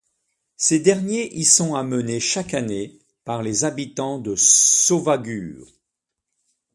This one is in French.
Ces derniers y sont amenés chaque année par les habitants de Sørvágur.